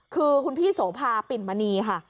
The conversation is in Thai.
คือคุณพี่โสภาปิ่นมณีค่ะ